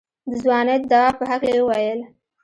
د ځوانۍ د دوا په هکله يې وويل.